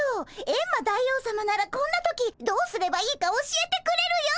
エンマ大王さまならこんな時どうすればいいか教えてくれるよ。